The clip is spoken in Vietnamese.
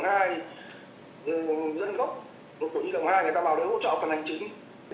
rồi dân gốc của nhi động hai người ta vào để hỗ trợ phần hành chính